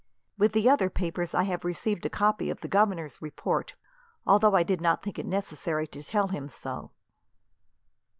With the other papers, I have received a copy of the governor's report, although I did not think it necessary to tell him so."